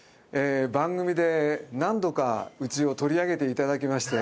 番組で何度かうちを取り上げて頂きまして。